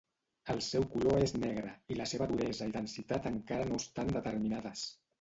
El seu color és negre, i la seva duresa i densitat encara no estan determinades.